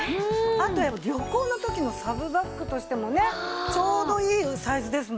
あとやっぱ旅行の時のサブバッグとしてもねちょうどいいサイズですもんね。